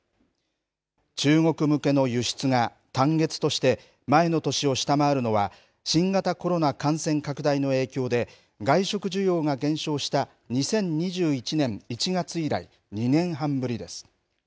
中国向けの輸出が単月として、前の年を下回るのは、新型コロナ感染拡大の影響で、外食需要が減少した２０２１年１月以来、２年半ぶりです。